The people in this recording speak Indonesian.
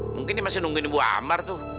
mungkin dia masih nungguin ibu amar tuh